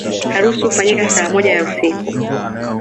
Harusi hufanyika saa moja ya usiku